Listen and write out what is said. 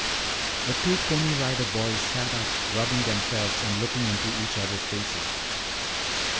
The two Pony Rider Boys sat up rubbing themselves and looking into each others' faces.